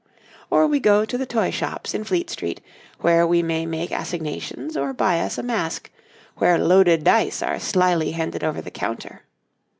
Or we go to the toy shops in Fleet Street, where we may make assignations or buy us a mask, where loaded dice are slyly handed over the counter.